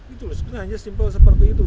itu hanya simple seperti itu